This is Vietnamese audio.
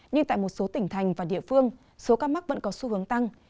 nhưng tại một số tỉnh thành và địa phương số ca mắc vẫn có xu hướng tăng